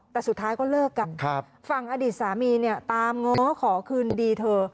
แต่สุดท้ายก็เลิกกันฝั่งอดีตสามีเนี่ยตามง้อขอคืนดีเธอ